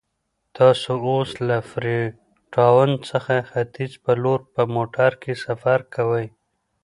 تاسو اوس له فري ټاون څخه ختیځ په لور په موټر کې سفر کوئ.